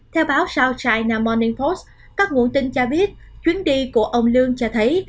theo báo south china morning post các nguồn tin cho biết chuyến đi của ông lương cho thấy